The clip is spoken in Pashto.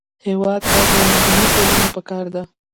هېواد ته مدني ټولنه پکار ده